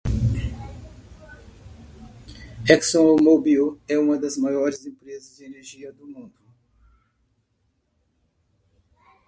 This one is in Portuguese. ExxonMobil é uma das maiores empresas de energia do mundo.